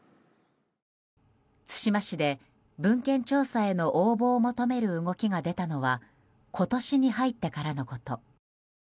対馬市で文献調査への応募を求める動きが出たのは今年に入ってからのこと。